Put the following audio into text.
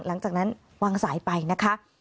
หลังจากนั้นวางสายไปนะคะ